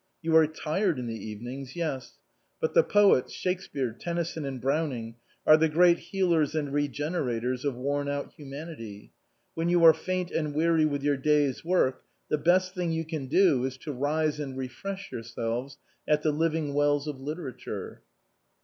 You are tired in the evenings, yes. But the poets, Shake speare, Tennyson, and Browning, are the great healers and regenerators of worn out humanity. When you are faint and weary with your day's work, the best thing you can do is to rise and refresh yourselves at the living wells of litera ture."